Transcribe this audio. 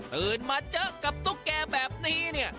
ตื่นมาเจอกับตุ๊กแก่แบบนี้เนี่ย